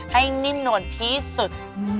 นิ่มนวลที่สุด